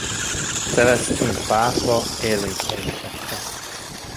Celesztin pápa érvénytelenítette.